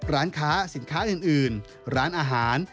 ร้านค้าสินค้าอื่นร้านอาหาร